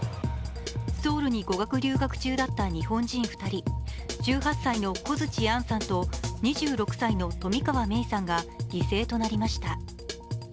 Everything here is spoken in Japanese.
ソウルに語学留学中だった日本人２人、１８歳の小槌杏さんと２６歳の冨川芽生さんが犠牲となりました。